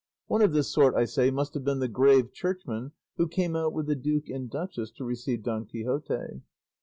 One of this sort, I say, must have been the grave churchman who came out with the duke and duchess to receive Don Quixote.